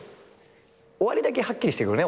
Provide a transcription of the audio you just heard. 終わりだけはっきりしてくるね